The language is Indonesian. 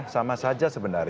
sama saja sebenarnya